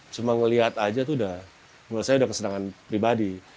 cuma ngeliat aja tuh udah menurut saya udah kesenangan pribadi